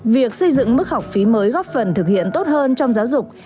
việc xây dựng mức học phí mới góp phần thực hiện tốt hơn trong giáo dục